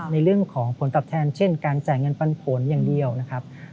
ในเรื่องของผลตอบแทนเช่นการจ่ายเงินปันผลอย่างเดียวนะครับ